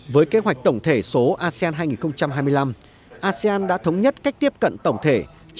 với kế hoạch tổng thể số asean hai nghìn hai mươi năm asean đã thống nhất cách tiếp cận tổng thể